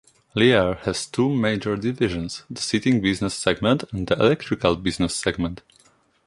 Lear has two major divisions: the seating business segment and the electrical business segment.